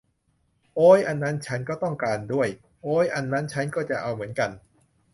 โอ๊ย อันนั้นฉันก็ต้องการด้วย โอ๊ย อันนั้นฉันก็จะเอาเหมือนกัน